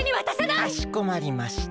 かしこまりました。